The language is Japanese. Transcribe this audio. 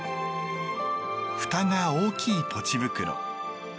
ふたが大きいポチ袋。